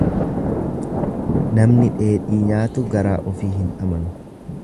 Namni dheedhii nyaatu garaa ofii hin amanu.